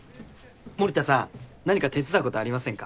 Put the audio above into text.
森田さん何か手伝うことありませんか？